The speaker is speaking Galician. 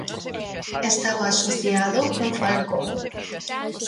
Estaba asociado cun falcón.